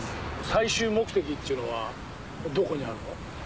最終目的っていうのはどこにあるの？